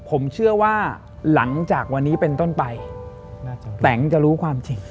ผมเชื่อว่าหลังจากวันนี้เป็นต้นไปแตงจะรู้ความจริง